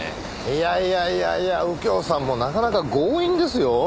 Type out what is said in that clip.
いやいやいやいや右京さんもなかなか強引ですよ。